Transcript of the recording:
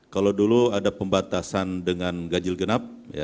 kalau dulu ada pembatasan dengan gajil genap